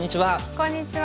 こんにちは。